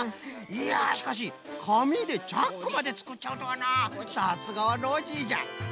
いやしかしかみでチャックまでつくっちゃうとはなさすがはノージーじゃ！